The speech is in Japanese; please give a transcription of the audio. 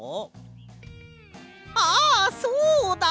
あっそうだ！